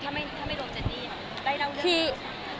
ถ้าไม่รวมเจนนี่ได้เล่าเรื่องยังไง